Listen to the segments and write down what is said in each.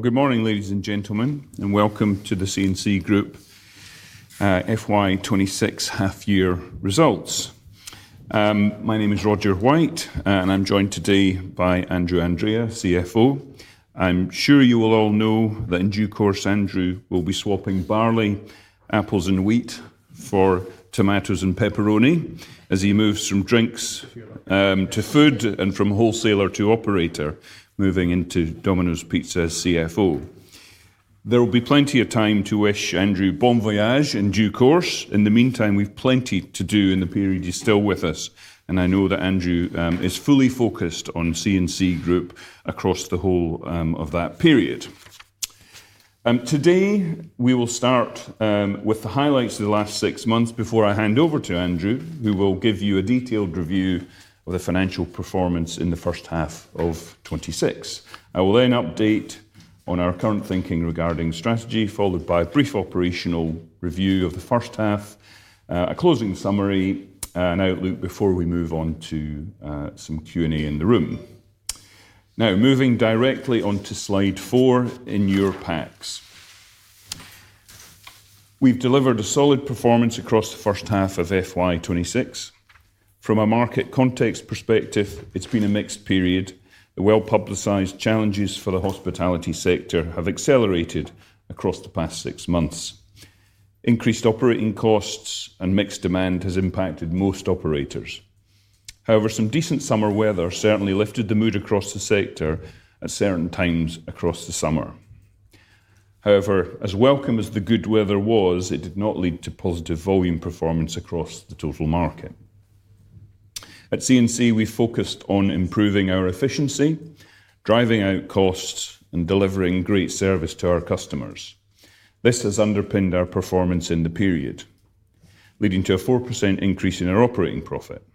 Good morning, ladies and gentlemen, and welcome to the C&C Group FY 2026 half-year results. My name is Roger White, and I'm joined today by Andrew Andrea, CFO. I'm sure you will all know that in due course, Andrew will be swapping barley, apples, and wheat for tomatoes and pepperoni as he moves from drinks to food and from wholesaler to operator, moving into Domino's Pizza's CFO. There will be plenty of time to wish Andrew bon voyage in due course. In the meantime, we have plenty to do in the period you're still with us, and I know that Andrew is fully focused on C&C Group across the whole of that period. Today, we will start with the highlights of the last six months before I hand over to Andrew, who will give you a detailed review of the financial performance in the first half of 2026. I will then update on our current thinking regarding strategy, followed by a brief operational review of the first half, a closing summary, and outlook before we move on to some Q&A in the room. Now, moving directly onto slide four in your packs, we've delivered a solid performance across the first half of FY 2026. From a market context perspective, it's been a mixed period. The well-publicized challenges for the hospitality sector have accelerated across the past six months. Increased operating costs and mixed demand have impacted most operators. However, some decent summer weather certainly lifted the mood across the sector at certain times across the summer. However, as welcome as the good weather was, it did not lead to positive volume performance across the total market. At C&C, we focused on improving our efficiency, driving out costs, and delivering great service to our customers. This has underpinned our performance in the period, leading to a 4% increase in our operating profit.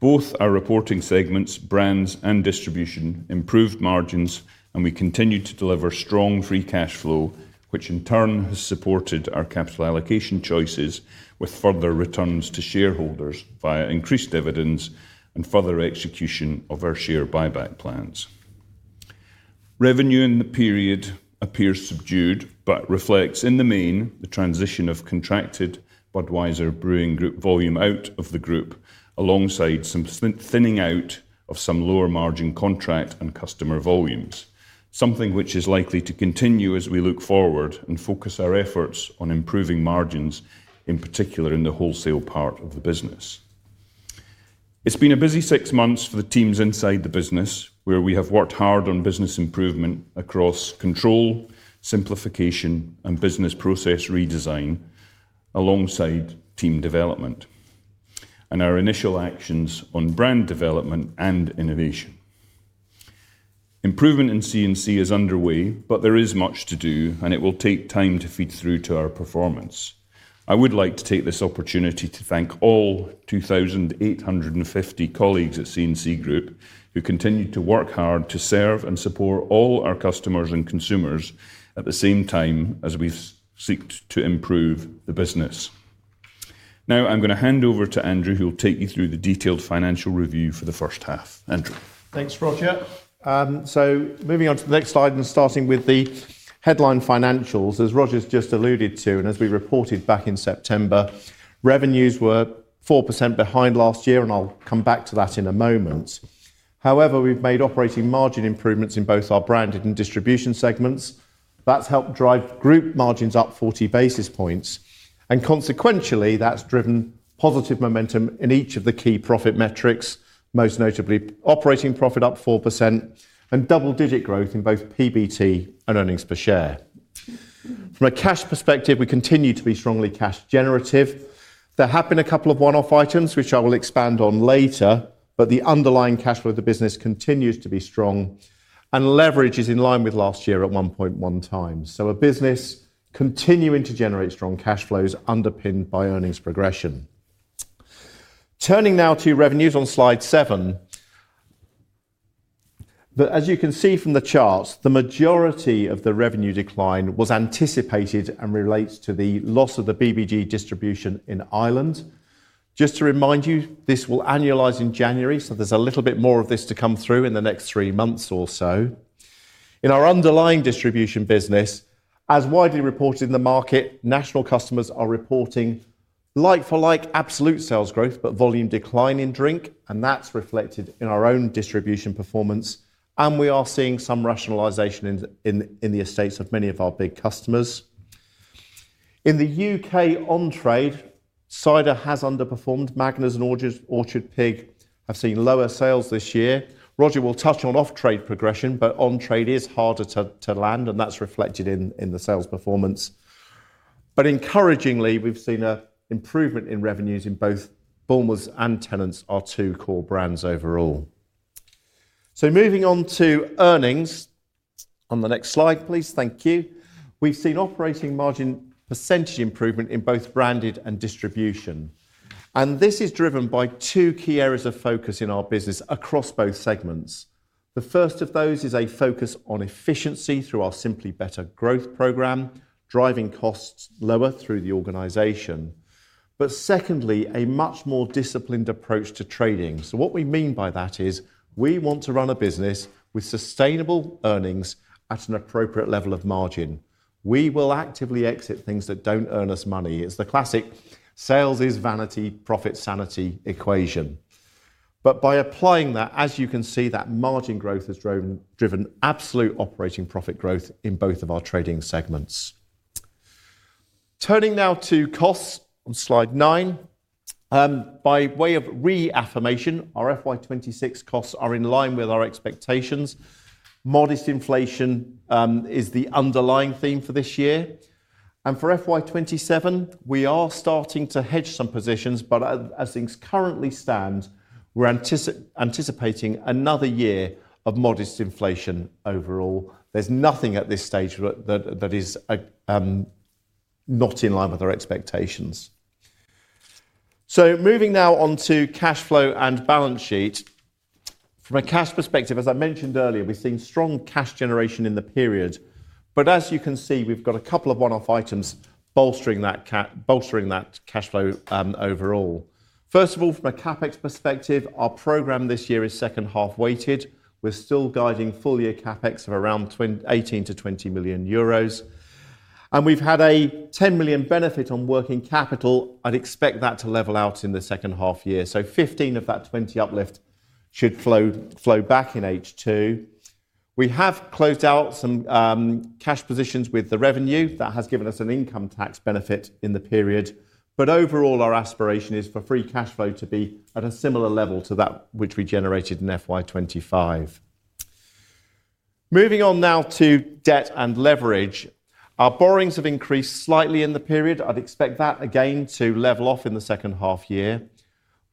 Both our reporting segments, brands, and distribution improved margins, and we continued to deliver strong free cash flow, which in turn has supported our capital allocation choices with further returns to shareholders via increased dividends and further execution of our share buyback plans. Revenue in the period appears subdued but reflects in the main the transition of contracted Budweiser Brewing Group volume out of the group, alongside some thinning out of some lower margin contract and customer volumes, something which is likely to continue as we look forward and focus our efforts on improving margins, in particular in the wholesale part of the business. It's been a busy six months for the teams inside the business, where we have worked hard on business improvement across control, simplification, and business process redesign, alongside team development and our initial actions on brand development and innovation. Improvement in C&C Group is underway, but there is much to do, and it will take time to feed through to our performance. I would like to take this opportunity to thank all 2,850 colleagues at C&C Group who continue to work hard to serve and support all our customers and consumers at the same time as we seek to improve the business. Now, I'm going to hand over to Andrew, who will take you through the detailed financial review for the first half. Andrew. Thanks, Roger. Moving on to the next slide and starting with the headline financials, as Roger's just alluded to and as we reported back in September, revenues were 4% behind last year, and I'll come back to that in a moment. However, we've made operating margin improvements in both our branded and distribution segments. That's helped drive group margins up 40 basis points, and consequently, that's driven positive momentum in each of the key profit metrics, most notably operating profit up 4% and double-digit growth in both PBT and earnings per share. From a cash perspective, we continue to be strongly cash generative. There have been a couple of one-off items, which I will expand on later, but the underlying cash flow of the business continues to be strong and leverage is in line with last year at 1.1 times. A business continuing to generate strong cash flows underpinned by earnings progression. Turning now to revenues on slide seven, as you can see from the charts, the majority of the revenue decline was anticipated and relates to the loss of the Budweiser Brewing Group distribution in Ireland. Just to remind you, this will annualize in January, so there's a little bit more of this to come through in the next three months or so. In our underlying distribution business, as widely reported in the market, national customers are reporting like-for-like absolute sales growth but volume decline in drink, and that's reflected in our own distribution performance. We are seeing some rationalization in the estates of many of our big customers. In the U.K. on-trade, cider has underperformed. Magners and Orchard Pig have seen lower sales this year. Roger will touch on off-trade progression, but on-trade is harder to land, and that's reflected in the sales performance. Encouragingly, we've seen an improvement in revenues in both Bulmers and Tennent's, our two core brands overall. Moving on to earnings on the next slide, please. Thank you. We've seen operating margin percentage improvement in both branded and distribution, and this is driven by two key areas of focus in our business across both segments. The first of those is a focus on efficiency through our Simply Better growth program, driving costs lower through the organization. Secondly, a much more disciplined approach to trading. What we mean by that is we want to run a business with sustainable earnings at an appropriate level of margin. We will actively exit things that don't earn us money. It's the classic sales is vanity, profit sanity equation. By applying that, as you can see, that margin growth has driven absolute operating profit growth in both of our trading segments. Turning now to costs on slide nine, by way of reaffirmation, our FY 2026 costs are in line with our expectations. Modest inflation is the underlying theme for this year. For FY 2027, we are starting to hedge some positions, but as things currently stand, we're anticipating another year of modest inflation overall. There's nothing at this stage that is not in line with our expectations. Moving now on to cash flow and balance sheet. From a cash perspective, as I mentioned earlier, we've seen strong cash generation in the period. As you can see, we've got a couple of one-off items bolstering that cash flow overall. First of all, from a CapEx perspective, our program this year is second half weighted. We're still guiding full-year CapEx of around 18 million-20 million euros, and we've had a 10 million benefit on working capital. I'd expect that to level out in the second half year. 15 of that 20 million uplift should flow back in H2. We have closed out some cash positions with the revenue. That has given us an income tax benefit in the period. Overall, our aspiration is for free cash flow to be at a similar level to that which we generated in FY 2025. Moving on now to debt and leverage, our borrowings have increased slightly in the period. I'd expect that again to level off in the second half year.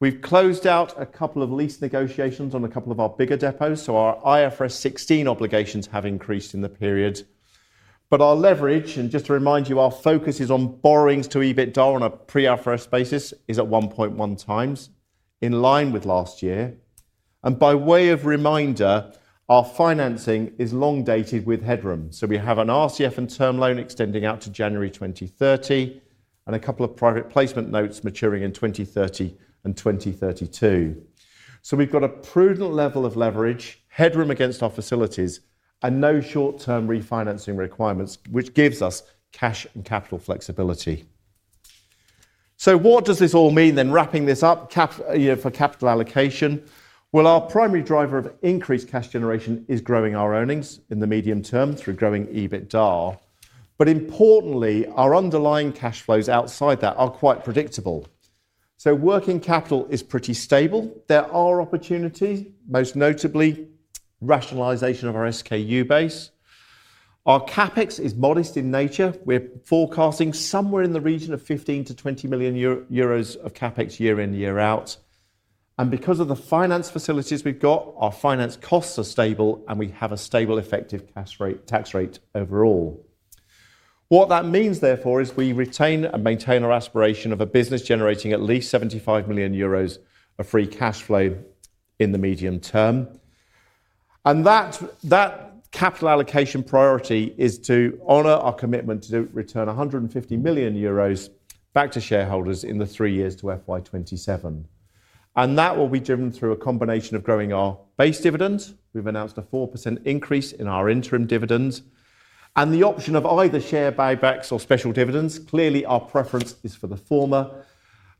We've closed out a couple of lease negotiations on a couple of our bigger depots, so our IFRS 16 obligations have increased in the period. Our leverage, and just to remind you, our focus is on borrowings to EBITDA on a pre-FRS basis, is at 1.1 times in line with last year. By way of reminder, our financing is long-dated with Hedrum. We have an RCF and term loan extending out to January 2030 and a couple of private placement notes maturing in 2030 and 2032. We've got a prudent level of leverage, Hedrum against our facilities, and no short-term refinancing requirements, which gives us cash and capital flexibility. What does this all mean then wrapping this up for capital allocation? Our primary driver of increased cash generation is growing our earnings in the medium term through growing EBITDA. Importantly, our underlying cash flows outside that are quite predictable. Working capital is pretty stable. There are opportunities, most notably rationalization of our SKU base. Our CapEx is modest in nature. We're forecasting somewhere in the region of 15 million- 20 million euros of CapEx year in, year out. Because of the finance facilities we've got, our finance costs are stable, and we have a stable effective tax rate overall. What that means, therefore, is we retain and maintain our aspiration of a business generating at least 75 million euros of free cash flow in the medium term. That capital allocation priority is to honor our commitment to return 150 million euros back to shareholders in the three years to FY 2027. That will be driven through a combination of growing our base dividend. We've announced a 4% increase in our interim dividend and the option of either share buybacks or special dividends. Clearly, our preference is for the former,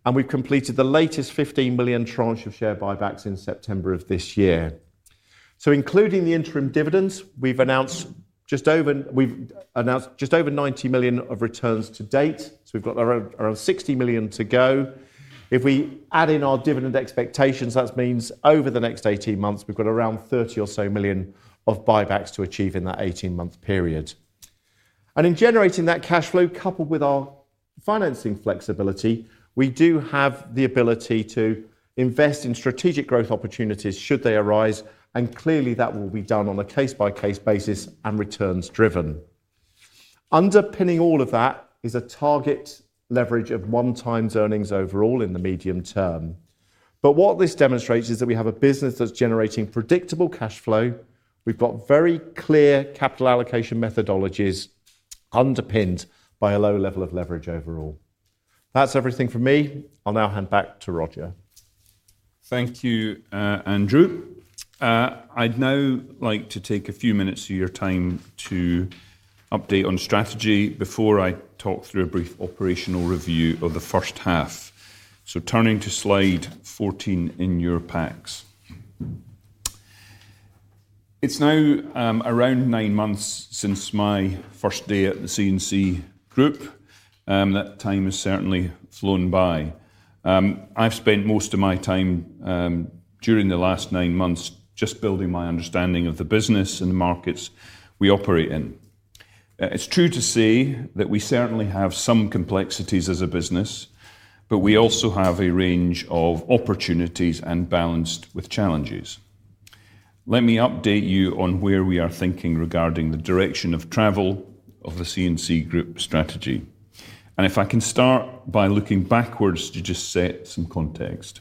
and we've completed the latest 15 million tranche of share buybacks in September of this year. Including the interim dividends, we've announced just over 90 million of returns to date. We've got around 60 million to go. If we add in our dividend expectations, that means over the next 18 months, we've got around 30 million or so of buybacks to achieve in that 18-month period. In generating that cash flow, coupled with our financing flexibility, we do have the ability to invest in strategic growth opportunities should they arise. Clearly, that will be done on a case-by-case basis and returns driven. Underpinning all of that is a target leverage of one times earnings overall in the medium term. What this demonstrates is that we have a business that's generating predictable cash flow. We've got very clear capital allocation methodologies underpinned by a low level of leverage overall. That's everything from me. I'll now hand back to Roger. Thank you, Andrew. I'd now like to take a few minutes of your time to update on strategy before I talk through a brief operational review of the first half. Turning to slide 14 in your packs, it's now around nine months since my first day at the C&C Group. That time has certainly flown by. I've spent most of my time during the last nine months just building my understanding of the business and the markets we operate in. It's true to say that we certainly have some complexities as a business, but we also have a range of opportunities and balance with challenges. Let me update you on where we are thinking regarding the direction of travel of the C&C Group strategy. If I can start by looking backwards to just set some context,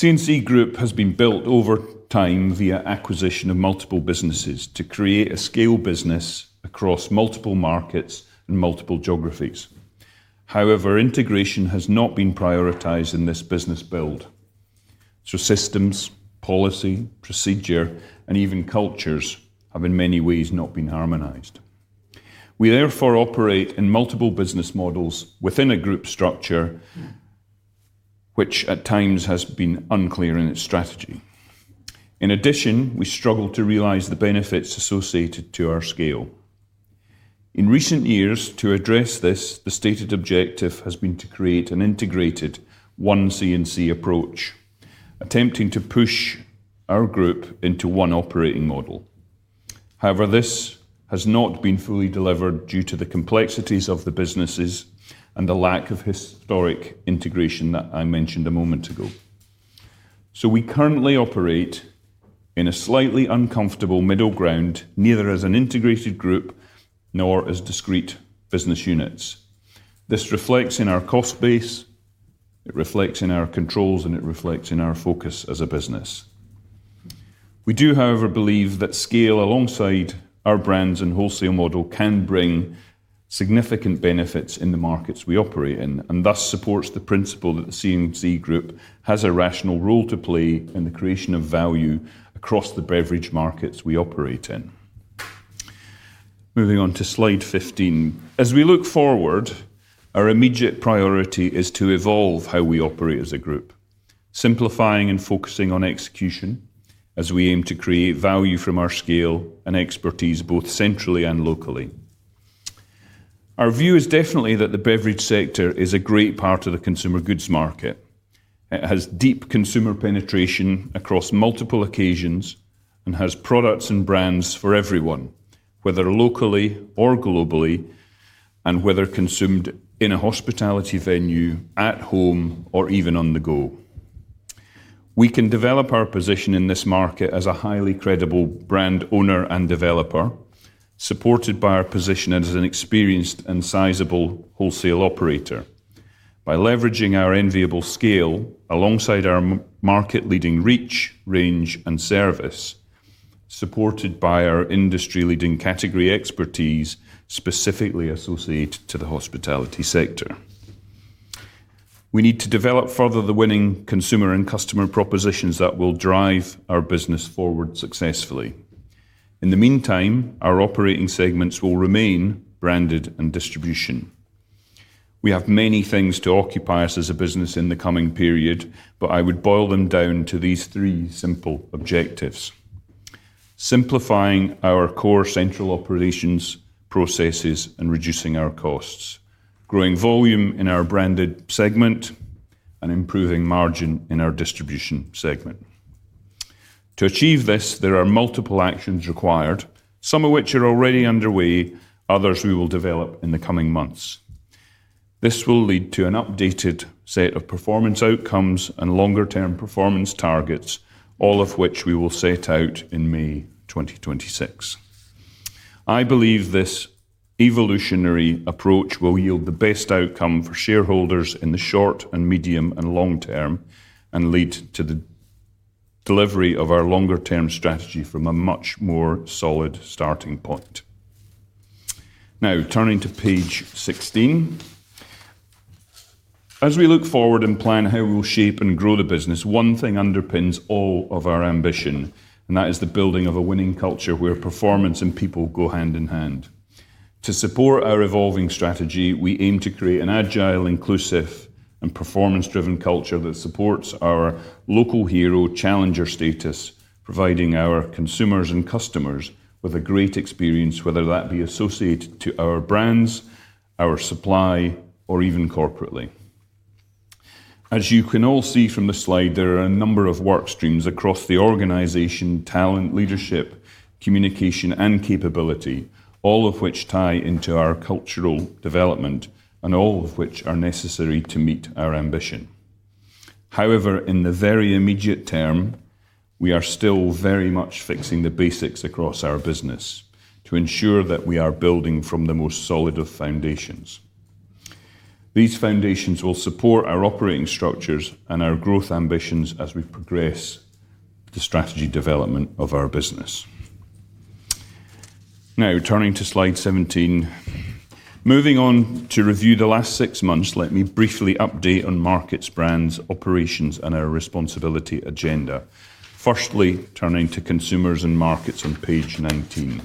C&C Group has been built over time via acquisition of multiple businesses to create a scale business across multiple markets and multiple geographies. However, integration has not been prioritized in this business build, so systems, policy, procedure, and even cultures have in many ways not been harmonized. We therefore operate in multiple business models within a group structure, which at times has been unclear in its strategy. In addition, we struggle to realize the benefits associated to our scale. In recent years, to address this, the stated objective has been to create an integrated one C&C approach, attempting to push our group into one operating model. However, this has not been fully delivered due to the complexities of the businesses and the lack of historic integration that I mentioned a moment ago. We currently operate in a slightly uncomfortable middle ground, neither as an integrated group nor as discrete business units. This reflects in our cost base, it reflects in our controls, and it reflects in our focus as a business. We do, however, believe that scale alongside our brands and wholesale model can bring significant benefits in the markets we operate in, and thus supports the principle that the C&C Group has a rational role to play in the creation of value across the beverage markets we operate in. Moving on to slide 15, as we look forward, our immediate priority is to evolve how we operate as a group, simplifying and focusing on execution as we aim to create value from our scale and expertise both centrally and locally. Our view is definitely that the beverage sector is a great part of the consumer goods market. It has deep consumer penetration across multiple occasions and has products and brands for everyone, whether locally or globally, and whether consumed in a hospitality venue, at home, or even on the go. We can develop our position in this market as a highly credible brand owner and developer, supported by our position as an experienced and sizable wholesale operator. By leveraging our enviable scale alongside our market-leading reach, range, and service, supported by our industry-leading category expertise specifically associated to the hospitality sector, we need to develop further the winning consumer and customer propositions that will drive our business forward successfully. In the meantime, our operating segments will remain branded and distribution. We have many things to occupy us as a business in the coming period, but I would boil them down to these three simple objectives: simplifying our core central operations, processes, and reducing our costs, growing volume in our branded segment, and improving margin in our distribution segment. To achieve this, there are multiple actions required, some of which are already underway, others we will develop in the coming months. This will lead to an updated set of performance outcomes and longer-term performance targets, all of which we will set out in May 2026. I believe this evolutionary approach will yield the best outcome for shareholders in the short, medium, and long term and lead to the delivery of our longer-term strategy from a much more solid starting point. Now, turning to page 16, as we look forward and plan how we will shape and grow the business, one thing underpins all of our ambition, and that is the building of a winning culture where performance and people go hand in hand. To support our evolving strategy, we aim to create an agile, inclusive, and performance-driven culture that supports our local hero challenger status, providing our consumers and customers with a great experience, whether that be associated to our brands, our supply, or even corporately. As you can all see from the slide, there are a number of work streams across the organization: talent, leadership, communication, and capability, all of which tie into our cultural development and all of which are necessary to meet our ambition. However, in the very immediate term, we are still very much fixing the basics across our business to ensure that we are building from the most solid of foundations. These foundations will support our operating structures and our growth ambitions as we progress the strategy development of our business. Now, turning to slide 17, moving on to review the last six months, let me briefly update on markets, brands, operations, and our responsibility agenda. Firstly, turning to consumers and markets on page 19.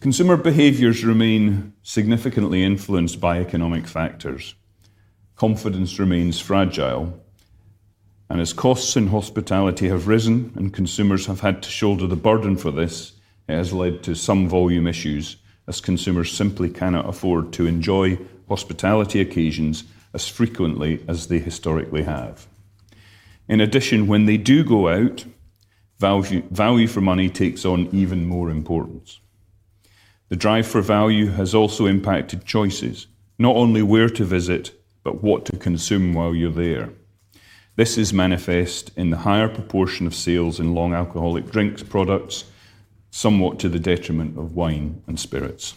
Consumer behaviors remain significantly influenced by economic factors. Confidence remains fragile, and as costs in hospitality have risen and consumers have had to shoulder the burden for this, it has led to some volume issues as consumers simply cannot afford to enjoy hospitality occasions as frequently as they historically have. In addition, when they do go out, value for money takes on even more importance. The drive for value has also impacted choices, not only where to visit but what to consume while you're there. This is manifest in the higher proportion of sales in long alcoholic drinks products, somewhat to the detriment of wine and spirits.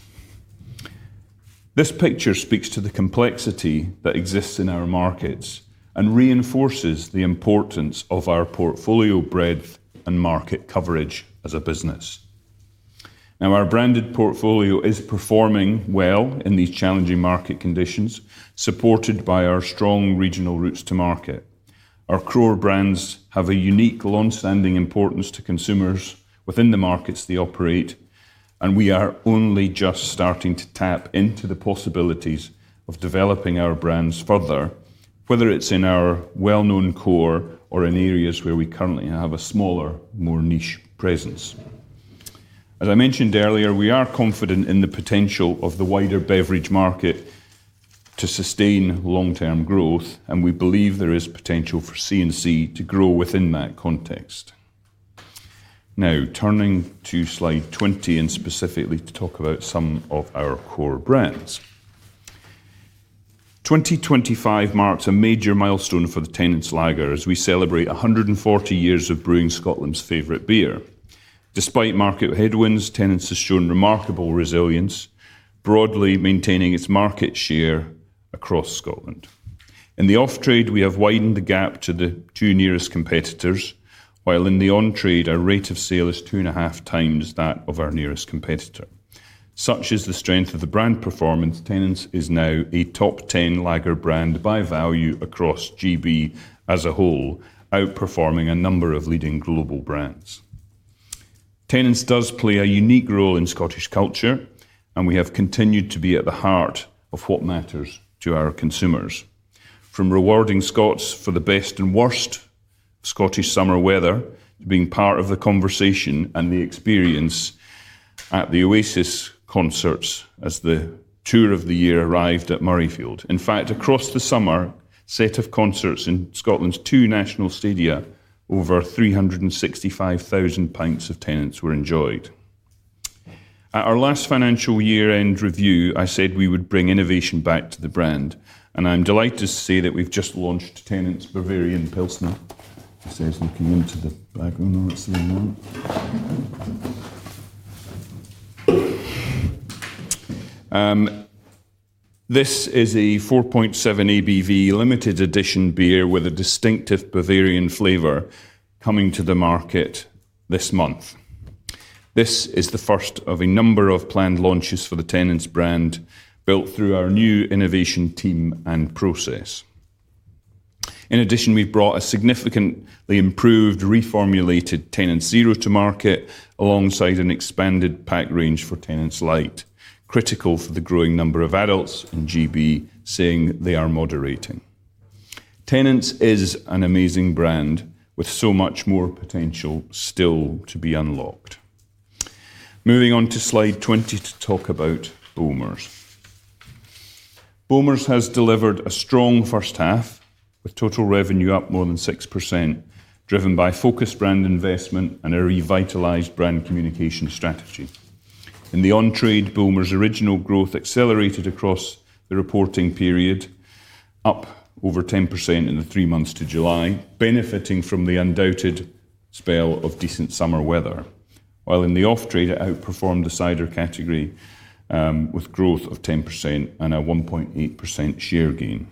This picture speaks to the complexity that exists in our markets and reinforces the importance of our portfolio breadth and market coverage as a business. Now, our branded portfolio is performing well in these challenging market conditions, supported by our strong regional routes to market. Our core brands have a unique longstanding importance to consumers within the markets they operate, and we are only just starting to tap into the possibilities of developing our brands further, whether it's in our well-known core or in areas where we currently have a smaller, more niche presence. As I mentioned earlier, we are confident in the potential of the wider beverage market to sustain long-term growth, and we believe there is potential for C&C Group to grow within that context. Now, turning to slide 20 and specifically to talk about some of our core brands, 2025 marks a major milestone for the Tennent's lager as we celebrate 140 years of brewing Scotland's favorite beer. Despite market headwinds, Tennent's has shown remarkable resilience, broadly maintaining its market share across Scotland. In the off-trade, we have widened the gap to the two nearest competitors, while in the on-trade, our rate of sale is two and a half times that of our nearest competitor. Such is the strength of the brand performance. Tennent's is now a top 10 lager brand by value across GB as a whole, outperforming a number of leading global brands. Tennent's does play a unique role in Scottish culture, and we have continued to be at the heart of what matters to our consumers, from rewarding Scots for the best and worst Scottish summer weather to being part of the conversation and the experience at the Oasis concerts as the tour of the year arrived at Murrayfield. In fact, across the summer, a set of concerts in Scotland's two national stadiums, over 365,000 of Tennent's were enjoyed. At our last financial year-end review, I said we would bring innovation back to the brand, and I'm delighted to say that we've just launched Tennent's Bavarian Pilsner. This is looking into the background. This is a 4.7% ABV limited edition beer with a distinctive Bavarian flavor coming to the market this month. This is the first of a number of planned launches for the Tennent's brand built through our new innovation team and process. In addition, we've brought a significantly improved reformulated Tennent's Zero to market alongside an expanded pack range for Tennent's Light, critical for the growing number of adults in GB saying they are moderating. Tennent's is an amazing brand with so much more potential still to be unlocked. Moving on to slide 20 to talk about Bulmers. Bulmers has delivered a strong first half with total revenue up more than 6%, driven by focused brand investment and a revitalized brand communication strategy. In the on-trade, Bulmers' original growth accelerated across the reporting period, up over 10% in the three months to July, benefiting from the undoubted spell of decent summer weather. While in the off-trade, it outperformed the cider category with growth of 10% and a 1.8% share gain.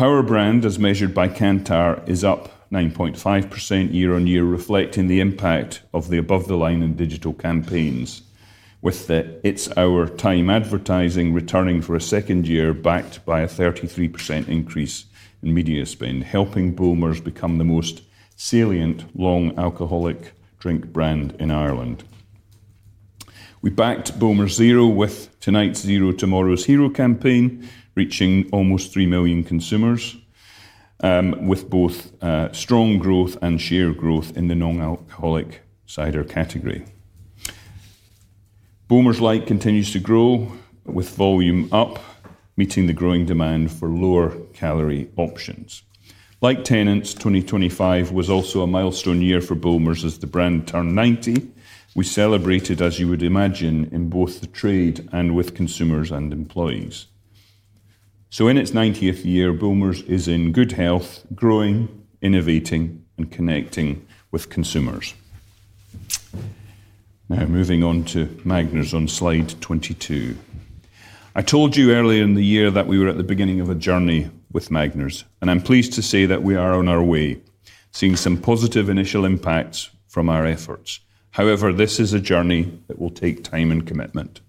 Power brand, as measured by Kantar, is up 9.5% year on year, reflecting the impact of the above-the-line and digital campaigns, with the It's Our Time advertising returning for a second year, backed by a 33% increase in media spend, helping Bulmers become the most salient long alcoholic drink brand in Ireland. We backed Bulmers Zero with Tonight's Zero Tomorrow's Hero campaign, reaching almost 3 million consumers with both strong growth and share growth in the non-alcoholic cider category. Bulmers Light continues to grow with volume up, meeting the growing demand for lower calorie options. Like Tennent's, 2025 was also a milestone year for Bulmers as the brand turned 90. We celebrated, as you would imagine, in both the trade and with consumers and employees. In its 90th year, Bulmers is in good health, growing, innovating, and connecting with consumers. Now, moving on to Magners on slide 22. I told you earlier in the year that we were at the beginning of a journey with Magners, and I'm pleased to say that we are on our way, seeing some positive initial impacts from our efforts. However, this is a journey that will take time and commitment.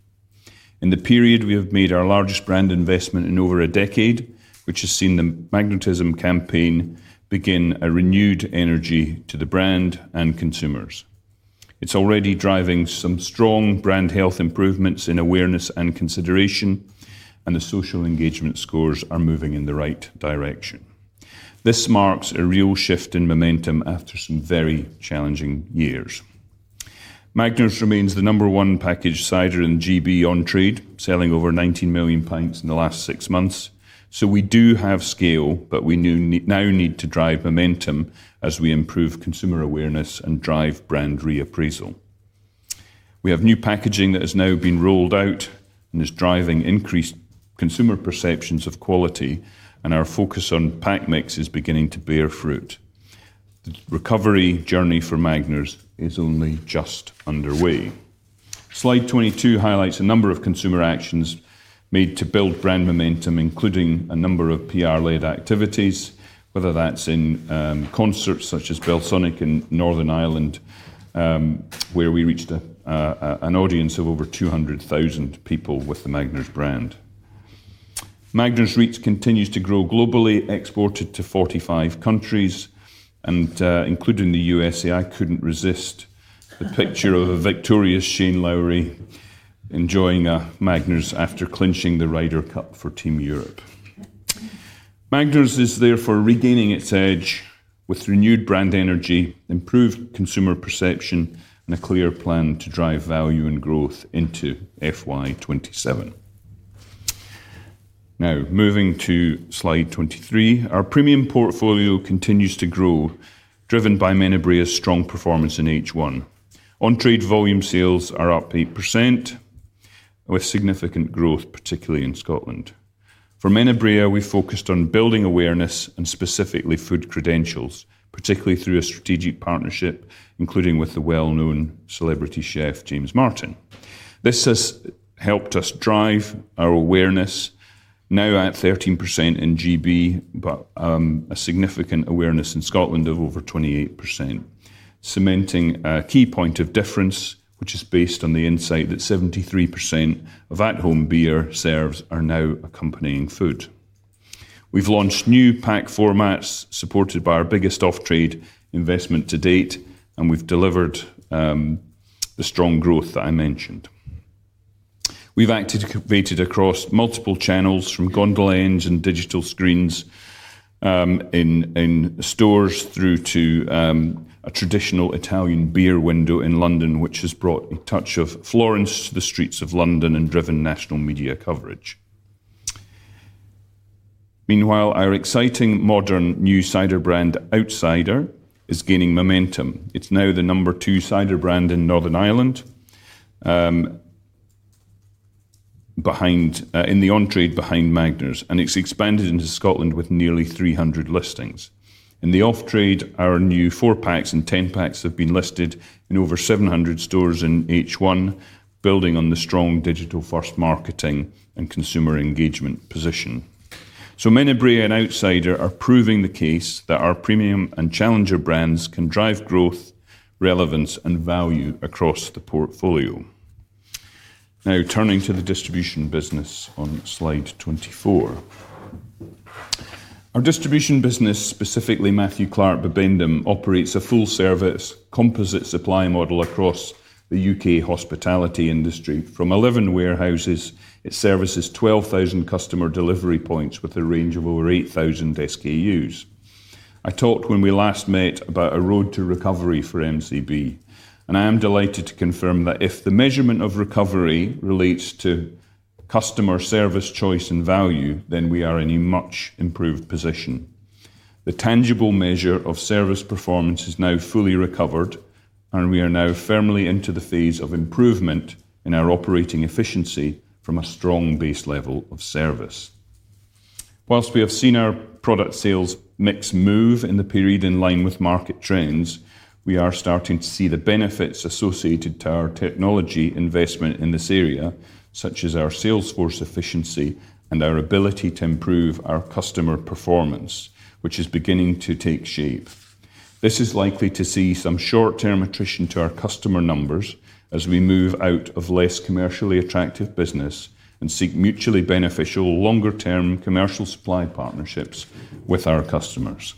In the period, we have made our largest brand investment in over a decade, which has seen the Magnetism campaign begin a renewed energy to the brand and consumers. It's already driving some strong brand health improvements in awareness and consideration, and the social engagement scores are moving in the right direction. This marks a real shift in momentum after some very challenging years. Magners remains the number one packaged cider in GB on-trade, selling over 19 million in the last six months. We do have scale, but we now need to drive momentum as we improve consumer awareness and drive brand reappraisal. We have new packaging that has now been rolled out and is driving increased consumer perceptions of quality, and our focus on pack mix is beginning to bear fruit. The recovery journey for Magners is only just underway. Slide 22 highlights a number of consumer actions made to build brand momentum, including a number of PR-led activities, whether that's in concerts such as Belsonic in Northern Ireland, where we reached an audience of over 200,000 people with the Magners brand. Magners reach continues to grow globally, exported to 45 countries, and including the U.S.A. I couldn't resist the picture of a victorious Shane Lowry enjoying Magners after clinching the Ryder Cup for Team Europe. Magners is therefore regaining its edge with renewed brand energy, improved consumer perception, and a clear plan to drive value and growth into FY 2027. Now, moving to slide 23, our premium portfolio continues to grow, driven by Menabrea's strong performance in H1. On-trade volume sales are up 8% with significant growth, particularly in Scotland. For Menabrea, we focused on building awareness and specifically food credentials, particularly through a strategic partnership, including with the well-known celebrity chef James Martin. This has helped us drive our awareness, now at 13% in GB, but a significant awareness in Scotland of over 28%, cementing a key point of difference, which is based on the insight that 73% of at-home beer serves are now accompanying food. We've launched new pack formats supported by our biggest off-trade investment to date, and we've delivered the strong growth that I mentioned. We've activated across multiple channels, from gondola ends and digital screens in stores through to a traditional Italian beer window in London, which has brought a touch of Florence to the streets of London and driven national media coverage. Meanwhile, our exciting modern new cider brand, Outsider, is gaining momentum. It's now the number two cider brand in Northern Ireland in the on-trade behind Magners, and it's expanded into Scotland with nearly 300 listings. In the off-trade, our new four-packs and 10-packs have been listed in over 700 stores in H1, building on the strong digital-first marketing and consumer engagement position. Menabrea and Outsider are proving the case that our premium and challenger brands can drive growth, relevance, and value across the portfolio. Now, turning to the distribution business on slide 24. Our distribution business, specifically Matthew Clark Bibendum, operates a full-service composite supply model across the U.K. hospitality industry. From 11 warehouses, it services 12,000 customer delivery points with a range of over 8,000 SKUs. I talked when we last met about a road to recovery for MCB, and I am delighted to confirm that if the measurement of recovery relates to customer service choice and value, then we are in a much improved position. The tangible measure of service performance is now fully recovered, and we are now firmly into the phase of improvement in our operating efficiency from a strong base level of service. Whilst we have seen our product sales mix move in the period in line with market trends, we are starting to see the benefits associated to our technology investment in this area, such as our sales force efficiency and our ability to improve our customer performance, which is beginning to take shape. This is likely to see some short-term attrition to our customer numbers as we move out of less commercially attractive business and seek mutually beneficial longer-term commercial supply partnerships with our customers.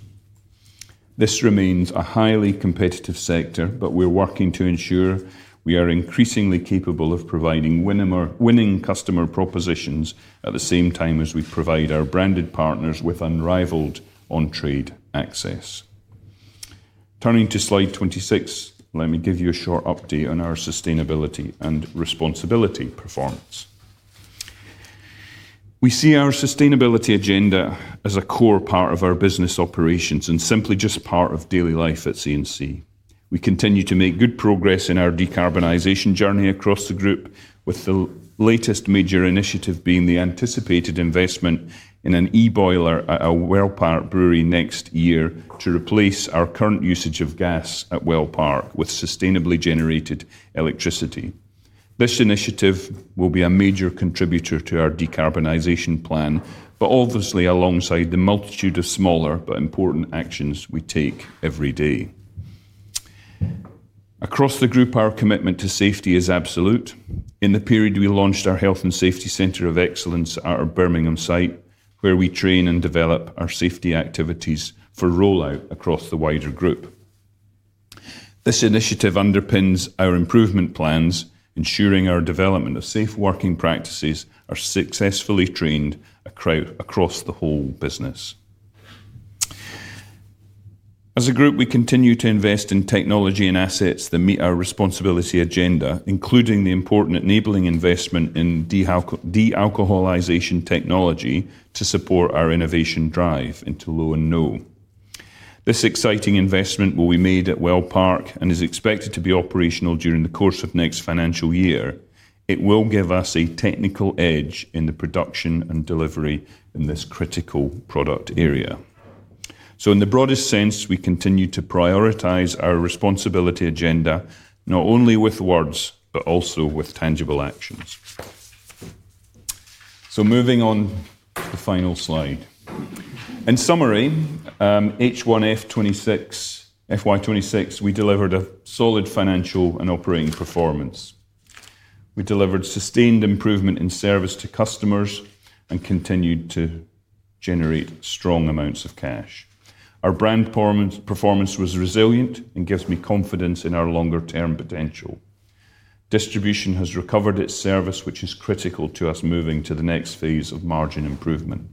This remains a highly competitive sector, but we're working to ensure we are increasingly capable of providing winning customer propositions at the same time as we provide our branded partners with unrivaled on-trade access. Turning to slide 26, let me give you a short update on our sustainability and responsibility performance. We see our sustainability agenda as a core part of our business operations and simply just part of daily life at C&C Group. We continue to make good progress in our decarbonization journey across the group, with the latest major initiative being the anticipated investment in an e-boiler at Wellpark Brewery next year to replace our current usage of gas at Wellpark with sustainably generated electricity. This initiative will be a major contributor to our decarbonization plan, obviously alongside the multitude of smaller but important actions we take every day. Across the group, our commitment to safety is absolute. In the period, we launched our Health and Safety Center of Excellence at our Birmingham site, where we train and develop our safety activities for rollout across the wider group. This initiative underpins our improvement plans, ensuring our development of safe working practices are successfully trained across the whole business. As a group, we continue to invest in technology and assets that meet our responsibility agenda, including the important enabling investment in dealcoholization technology to support our innovation drive into low and no. This exciting investment will be made at Wellpark and is expected to be operational during the course of next financial year. It will give us a technical edge in the production and delivery in this critical product area. In the broadest sense, we continue to prioritize our responsibility agenda, not only with words but also with tangible actions. Moving on to the final slide, in summary, H1 F 2026, FY 2026, we delivered a solid financial and operating performance. We delivered sustained improvement in service to customers and continued to generate strong amounts of cash. Our brand performance was resilient and gives me confidence in our longer-term potential. Distribution has recovered its service, which is critical to us moving to the next phase of margin improvement.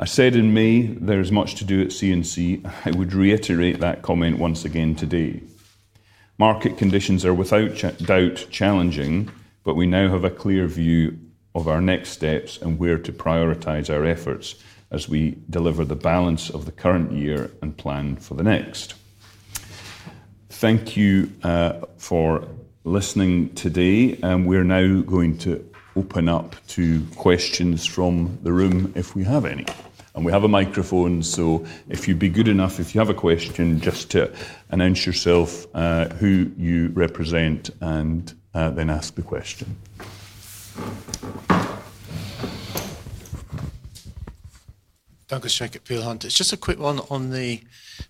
I said in May there is much to do at C&C Group. I would reiterate that comment once again today. Market conditions are without doubt challenging, but we now have a clear view of our next steps and where to prioritize our efforts as we deliver the balance of the current year and plan for the next. Thank you for listening today. We're now going to open up to questions from the room if we have any. We have a microphone, so if you'd be good enough, if you have a question, just announce yourself, who you represent, and then ask the question. Douglas Jack at Peel Hunt. It's just a quick one on the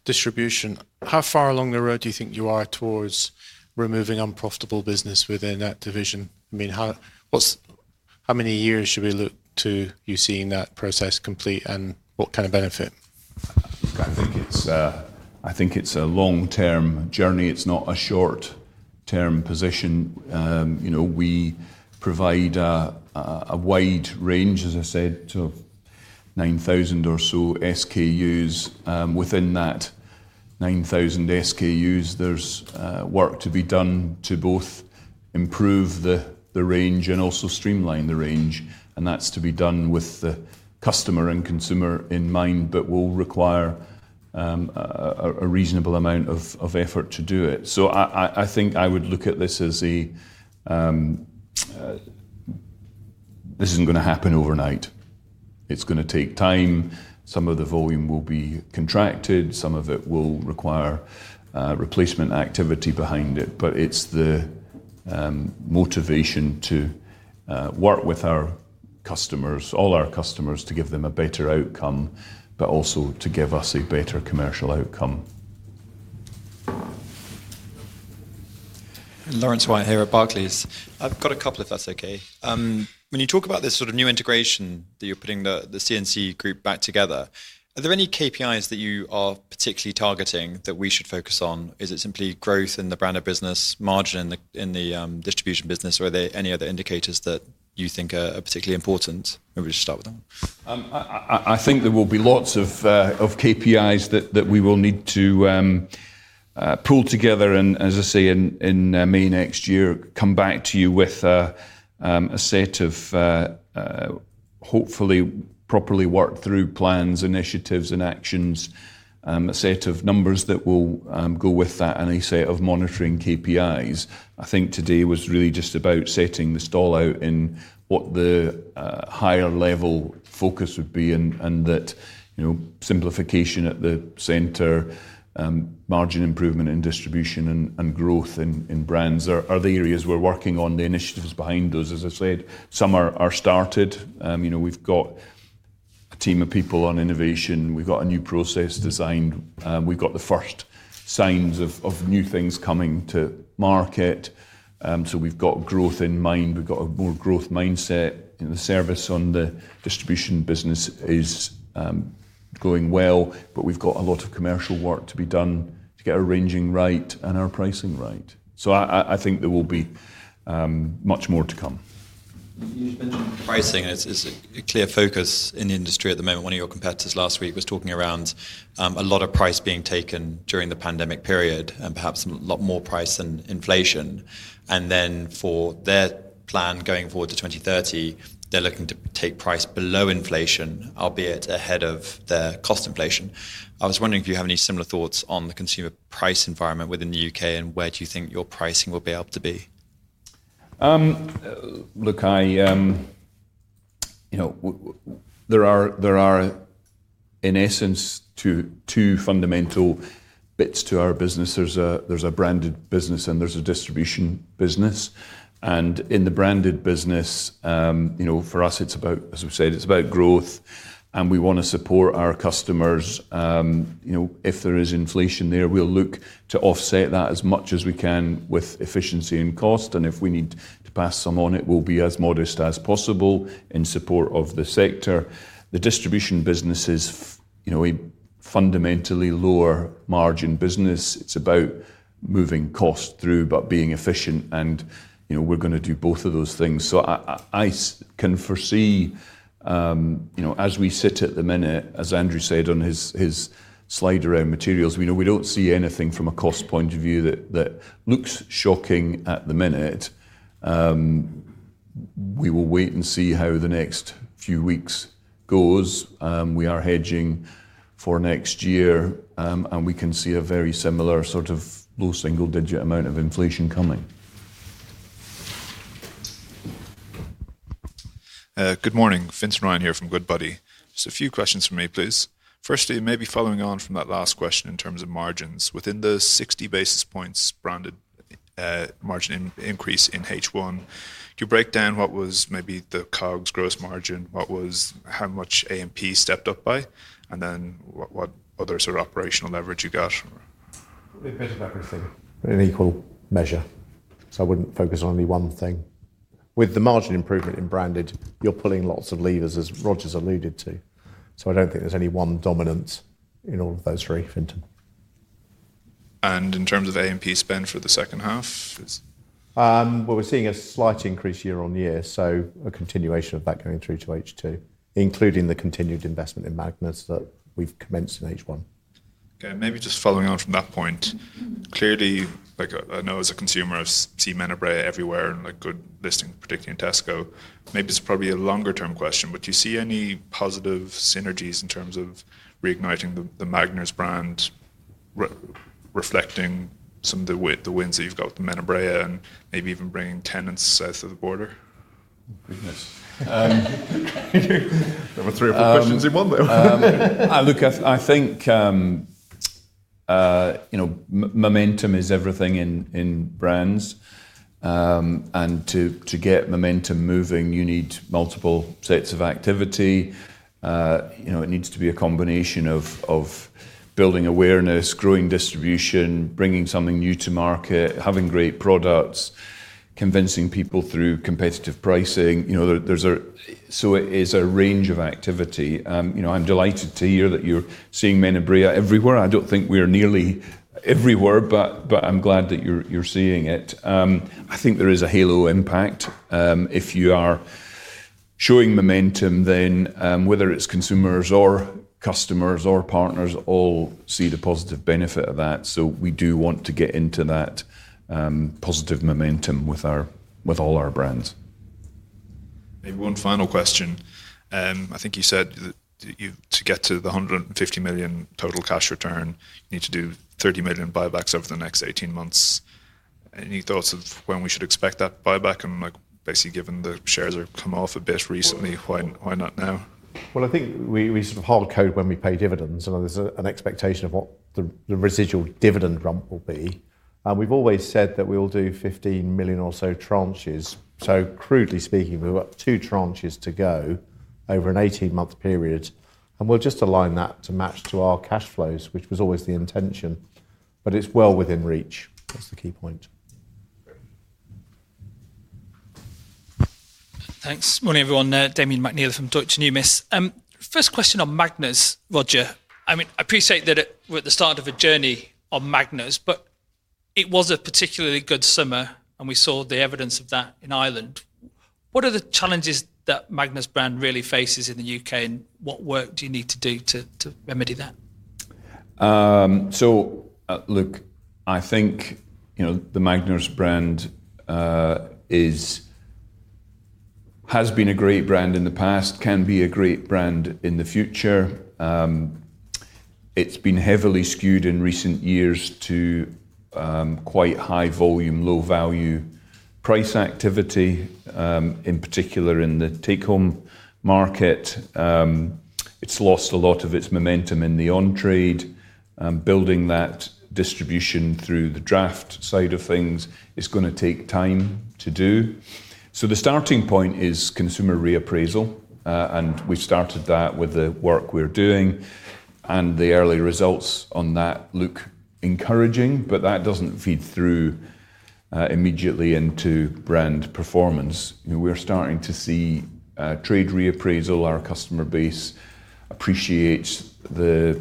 distribution. How far along the road do you think you are towards removing unprofitable business within that division? I mean, how many years should we look to you seeing that process complete, and what kind of benefit? I think it's a long-term journey. It's not a short-term position. We provide a wide range, as I said, to 9,000 or so SKUs. Within that 9,000 SKUs, there's work to be done to both improve the range and also streamline the range, and that's to be done with the customer and consumer in mind, but will require a reasonable amount of effort to do it. I think I would look at this as a, this isn't going to happen overnight. It's going to take time. Some of the volume will be contracted. Some of it will require replacement activity behind it, but it's the motivation to work with our customers, all our customers, to give them a better outcome, but also to give us a better commercial outcome. Lawrence White here at Barclays. I've got a couple if that's okay. When you talk about this sort of new integration that you're putting the C&C Group back together, are there any KPIs that you are particularly targeting that we should focus on? Is it simply growth in the branded business, margin in the distribution business, or are there any other indicators that you think are particularly important? Maybe we just start with them. I think there will be lots of KPIs that we will need to pull together and, as I say, in May next year, come back to you with a set of hopefully properly worked through plans, initiatives, and actions, a set of numbers that will go with that, and a set of monitoring KPIs. I think today was really just about setting the stall out in what the higher level focus would be, and that simplification at the center, margin improvement in distribution, and growth in brands are the areas we're working on, the initiatives behind those. As I said, some are started. We've got a team of people on innovation. We've got a new process designed. We've got the first signs of new things coming to market. We've got growth in mind. We've got a more growth mindset. The service on the distribution business is going well, but we've got a lot of commercial work to be done to get our ranging right and our pricing right. I think there will be much more to come. You just mentioned pricing. It's a clear focus in the industry at the moment. One of your competitors last week was talking around a lot of price being taken during the pandemic period and perhaps a lot more price than inflation. For their plan going forward to 2030, they're looking to take price below inflation, albeit ahead of their cost inflation. I was wondering if you have any similar thoughts on the consumer price environment within the U.K. and where do you think your pricing will be able to be? Look, there are, in essence, two fundamental bits to our business. There's a branded business and there's a distribution business. In the branded business, for us, it's about, as we've said, it's about growth. We want to support our customers. If there is inflation there, we'll look to offset that as much as we can with efficiency and cost. If we need to pass some on, it will be as modest as possible in support of the sector. The distribution business is a fundamentally lower margin business. It's about moving cost through but being efficient. We're going to do both of those things. I can foresee, as we sit at the minute, as Andrew Andrea said on his slide around materials, we don't see anything from a cost point of view that looks shocking at the minute. We will wait and see how the next few weeks go. We are hedging for next year, and we can see a very similar sort of low single-digit amount of inflation coming. Good morning. Fintan Ryan here from Good Buddy. Just a few questions for me, please. Firstly, maybe following on from that last question in terms of margins. Within the 60 basis points branded margin increase in H1, do you break down what was maybe the COGS gross margin, how much AMP stepped up by, and then what other sort of operational leverage you got? Probably a bit of everything in equal measure. I wouldn't focus on any one thing. With the margin improvement in branded, you're pulling lots of levers, as Roger's alluded to. I don't think there's any one dominance in all of those three, Fintan. In terms of AMP spend for the second half? We're seeing a slight increase year on year, so a continuation of that going through to H2, including the continued investment in Magners that we've commenced in H1. Okay, maybe just following on from that point. Clearly, I know as a consumer I've seen Menabrea everywhere and a good listing, predicting Tesco. Maybe this is probably a longer-term question, but do you see any positive synergies in terms of reigniting the Magners brand, reflecting some of the wins that you've got with the Menabrea and maybe even bringing Tennent's south of the border? Goodness. There were three or four questions in one, though. Look, I think momentum is everything in brands. To get momentum moving, you need multiple sets of activity. It needs to be a combination of building awareness, growing distribution, bringing something new to market, having great products, convincing people through competitive pricing. It is a range of activity. I'm delighted to hear that you're seeing Menabrea everywhere. I don't think we're nearly everywhere, but I'm glad that you're seeing it. I think there is a halo impact. If you are showing momentum, then whether it's consumers or customers or partners, all see the positive benefit of that. We do want to get into that positive momentum with all our brands. Maybe one final question. I think you said that to get to the 150 million total cash return, you need to do 30 million buybacks over the next 18 months. Any thoughts of when we should expect that buyback? Basically, given the shares have come off a bit recently, why not now? I think we sort of hard code when we pay dividends, and there's an expectation of what the residual dividend rump will be. We've always said that we'll do 15 million or so tranches. Crudely speaking, we've got two tranches to go over an 18-month period, and we'll just align that to match to our cash flows, which was always the intention, but it's well within reach. That's the key point. Thanks. Morning everyone. Damien McNeil from Deutsche Numis. First question on Magners, Roger. I appreciate that we're at the start of a journey on Magners, but it was a particularly good summer, and we saw the evidence of that in Ireland. What are the challenges that Magners brand really faces in the U.K., and what work do you need to do to remedy that? I think the Magners brand has been a great brand in the past, can be a great brand in the future. It's been heavily skewed in recent years to quite high volume, low value price activity, in particular in the take-home market. It's lost a lot of its momentum in the on-trade. Building that distribution through the draft side of things is going to take time to do. The starting point is consumer reappraisal, and we've started that with the work we're doing, and the early results on that look encouraging, but that doesn't feed through immediately into brand performance. We're starting to see trade reappraisal. Our customer base appreciates the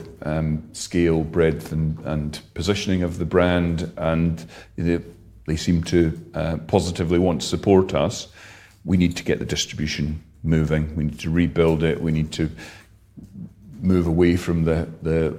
scale, breadth, and positioning of the brand, and they seem to positively want to support us. We need to get the distribution moving. We need to rebuild it. We need to move away from the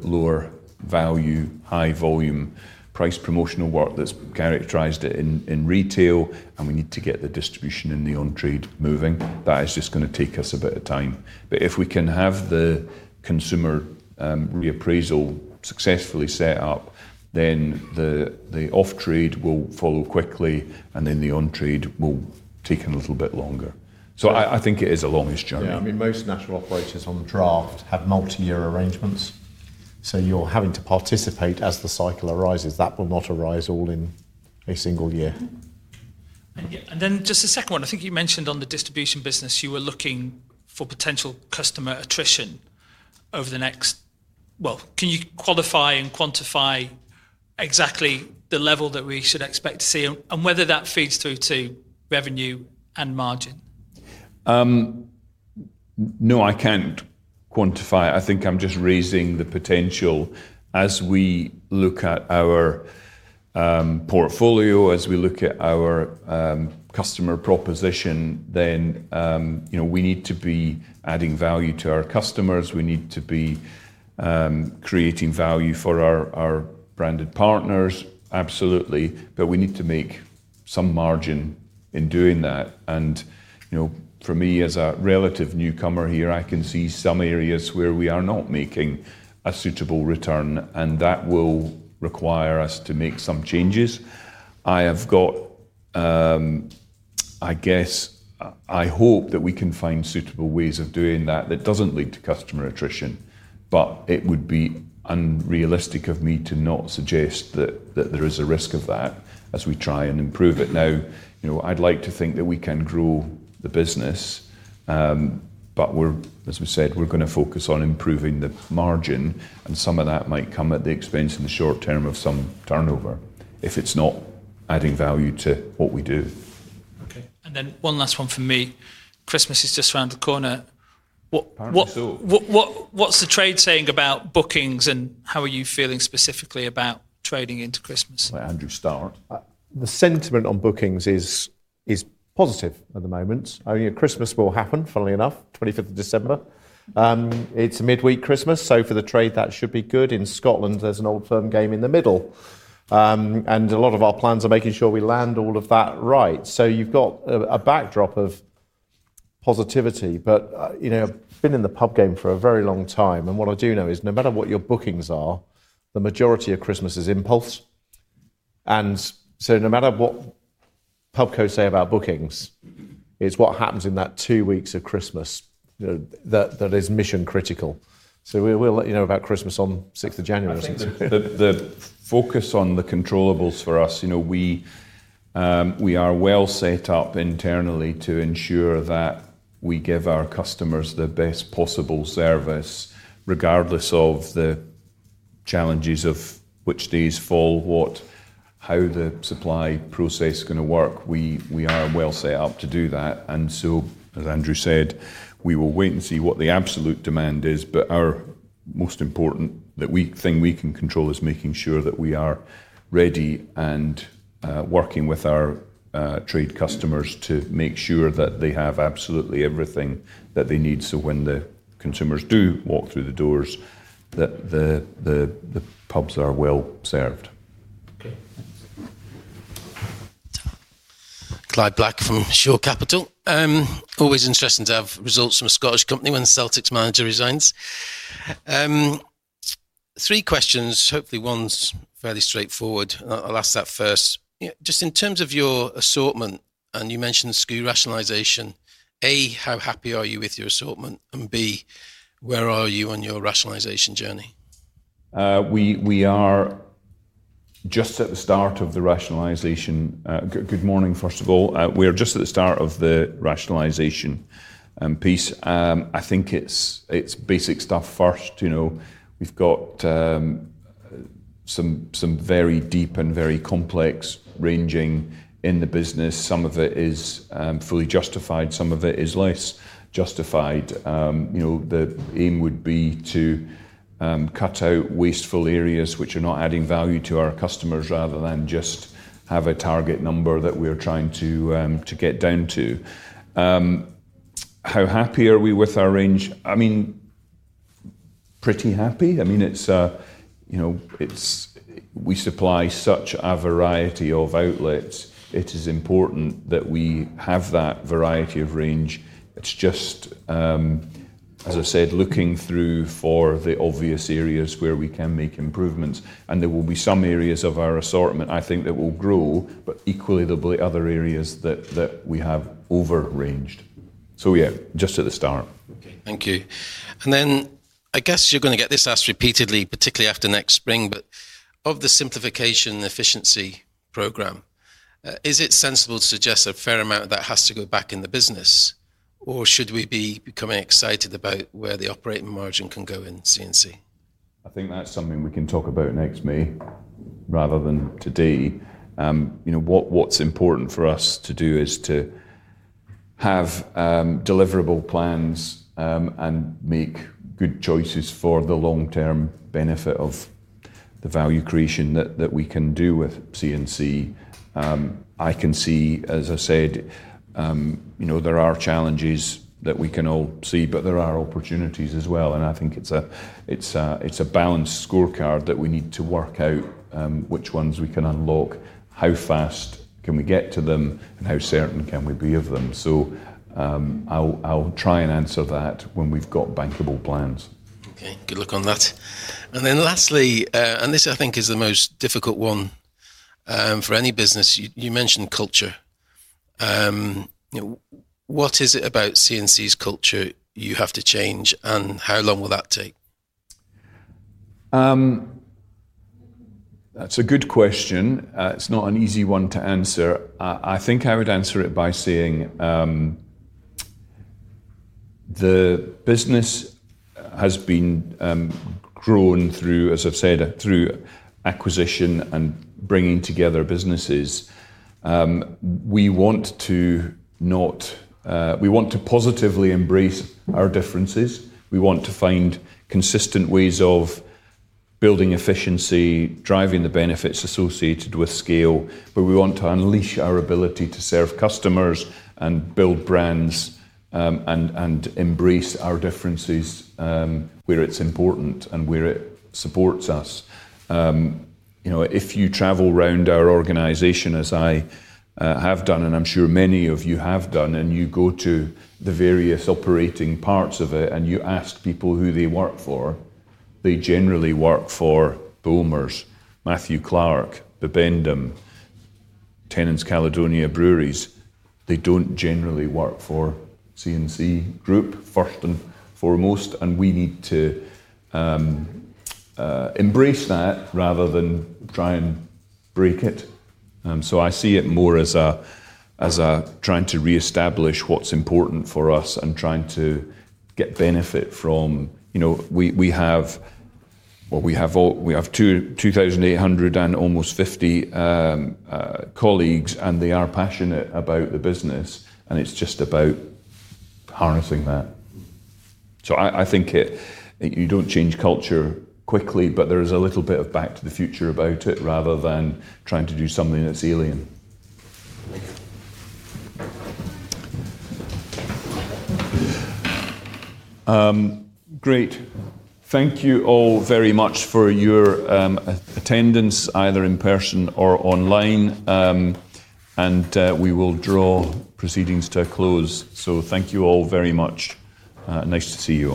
lower value, high volume price promotional work that's characterized in retail, and we need to get the distribution in the on-trade moving. That is just going to take us a bit of time. If we can have the consumer reappraisal successfully set up, then the off-trade will follow quickly, and then the on-trade will take a little bit longer. I think it is a longest journey. Yeah, I mean, most national operators on the draft have multi-year arrangements, so you're having to participate as the cycle arises. That will not arise all in a single year. I think you mentioned on the distribution business you were looking for potential customer attrition over the next... Can you qualify and quantify exactly the level that we should expect to see and whether that feeds through to revenue and margin? No, I can't quantify it. I think I'm just raising the potential. As we look at our portfolio, as we look at our customer proposition, we need to be adding value to our customers. We need to be creating value for our branded partners, absolutely, but we need to make some margin in doing that. For me, as a relative newcomer here, I can see some areas where we are not making a suitable return, and that will require us to make some changes. I hope that we can find suitable ways of doing that that doesn't lead to customer attrition, but it would be unrealistic of me to not suggest that there is a risk of that as we try and improve it. I'd like to think that we can grow the business, but as we said, we're going to focus on improving the margin, and some of that might come at the expense in the short term of some turnover if it's not adding value to what we do. Okay. One last one from me. Christmas is just around the corner. What's the trade saying about bookings, and how are you feeling specifically about trading into Christmas? The sentiment on bookings is positive at the moment. I mean, Christmas will happen, funnily enough, December 25th. It's a midweek Christmas, so for the trade, that should be good. In Scotland, there's an Old Firm game in the middle, and a lot of our plans are making sure we land all of that right. You've got a backdrop of positivity, but I've been in the pub game for a very long time, and what I do know is no matter what your bookings are, the majority of Christmas is impulse. No matter what pub coats say about bookings, it's what happens in that two weeks of Christmas that is mission critical. We'll let you know about Christmas on January 6th. The focus on the controllables for us, we are well set up internally to ensure that we give our customers the best possible service regardless of the challenges of which days fall, how the supply process is going to work. We are well set up to do that. As Andrew Andrea said, we will wait and see what the absolute demand is, but our most important thing we can control is making sure that we are ready and working with our trade customers to make sure that they have absolutely everything that they need so when the consumers do walk through the doors, the pubs are well served. Okay. Clive Black from Shore Capital. Always interesting to have results from a Scottish company when the Celtics manager resigns. Three questions, hopefully one's fairly straightforward. I'll ask that first. Just in terms of your assortment, you mentioned the SKU rationalization. A, how happy are you with your assortment? B, where are you on your rationalization journey? We are just at the start of the rationalization. Good morning, first of all. We're just at the start of the rationalization piece. I think it's basic stuff first. We've got some very deep and very complex ranging in the business. Some of it is fully justified, some of it is less justified. The aim would be to cut out wasteful areas which are not adding value to our customers rather than just have a target number that we're trying to get down to. How happy are we with our range? I mean, pretty happy. We supply such a variety of outlets. It is important that we have that variety of range. It's just, as I said, looking through for the obvious areas where we can make improvements. There will be some areas of our assortment I think that will grow, but equally, there'll be other areas that we have overranged. Yeah, just at the start. Thank you. I guess you're going to get this asked repeatedly, particularly after next spring, but of the simplification and efficiency program, is it sensible to suggest a fair amount of that has to go back in the business, or should we be becoming excited about where the operating margin can go in C&C? I think that's something we can talk about next May rather than today. What's important for us to do is to have deliverable plans and make good choices for the long-term benefit of the value creation that we can do with C&C Group. I can see, as I said, there are challenges that we can all see, but there are opportunities as well. I think it's a balanced scorecard that we need to work out which ones we can unlock, how fast we can get to them, and how certain we can be of them. I'll try and answer that when we've got bankable plans. Good luck on that. Lastly, and this I think is the most difficult one for any business, you mentioned culture. What is it about C&C Group's culture you have to change, and how long will that take? That's a good question. It's not an easy one to answer. I think I would answer it by saying the business has been grown through, as I've said, through acquisition and bringing together businesses. We want to positively embrace our differences. We want to find consistent ways of building efficiency, driving the benefits associated with scale, but we want to unleash our ability to serve customers and build brands and embrace our differences where it's important and where it supports us. If you travel around our organization, as I have done, and I'm sure many of you have done, and you go to the various operating parts of it and you ask people who they work for, they generally work for Bulmers, Matthew Clark Bibendum, Tennent's, Caledonia Breweries. They don't generally work for C&C Group first and foremost, and we need to embrace that rather than try and break it. I see it more as trying to reestablish what's important for us and trying to get benefit from. We have 2,850 colleagues, and they are passionate about the business, and it's just about harnessing that. I think you don't change culture quickly, but there is a little bit of back to the future about it rather than trying to do something that's alien. Thank you. Great. Thank you all very much for your attendance, either in person or online. We will draw proceedings to a close. Thank you all very much. Nice to see you.